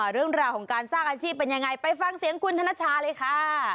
เรื่องราวของการสร้างอาชีพเป็นยังไงไปฟังเสียงคุณธนชาเลยค่ะ